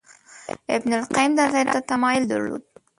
ابن القیم نظریاتو ته تمایل درلود